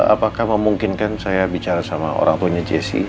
apakah memungkinkan saya bicara sama orang tua jesse